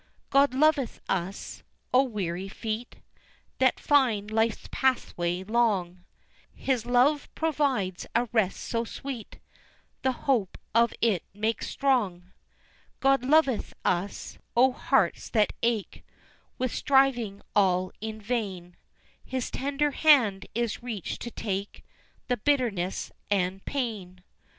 God loveth us! O weary feet That find life's pathway long, His love provides a rest so sweet The hope of it makes strong. God loveth us! O hearts that ache With striving all in vain, His tender hand is reached to take The bitterness and pain.